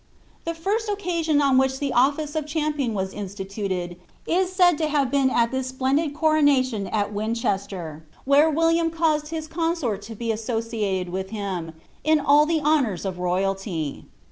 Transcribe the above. The first occasion on which the office of champion was instituted, is said to have been at this splendid coronation at Winchester, where Wil tiam caused his consort to be associated with himself, in all the honours <tf royalty.'